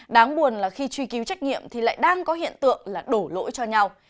đáng buồn là khi truy cứu trách nhiệm thì lại đang có hiện tượng là đổ lỗi cho nhau